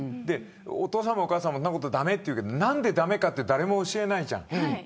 お父さんもお母さんもそんなこと、駄目というけど何で駄目かは誰も教えないじゃん。